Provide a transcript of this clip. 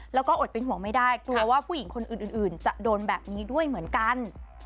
แล้วก็อดเป็นห่วงไม่ได้กลัวว่าผู้หญิงคนอื่นจะโดนแบบนี้ด้วยเหมือนกัน